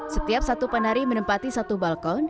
setiap satu penari menempati satu balkon